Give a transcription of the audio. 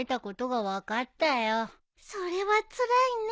それはつらいね。